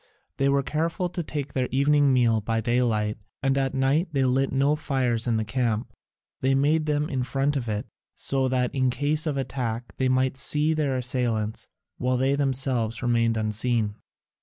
They were careful to take their evening meal by daylight, and at night they lit no fires in the camp: they made them in front of it, so that in case of attack they might see their assailants, while they themselves remained unseen.